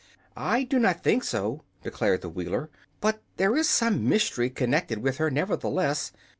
"I do not think so," declared the Wheeler. "But there is some mystery connected with her, nevertheless.